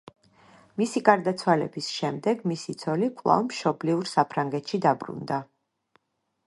მისი გარდაცვალების შემდეგ მისი ცოლი კვლავ მშობლიურ საფრანგეთში დაბრუნდა.